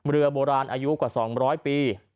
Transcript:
เรือโบราณอายุกว่า๒๐๐ปี